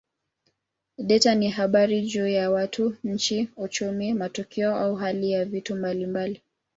Data ni habari juu ya watu, nchi, uchumi, matukio au hali ya vitu mbalimbali.